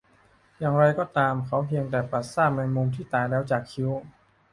อย่างไรก็ตาม เขาเพียงแต่ปัดซากแมงมุมที่ตายแล้วออกจากคิ้ว